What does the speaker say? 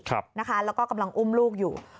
แล้วก็กำลังอุ้มลูกอยู่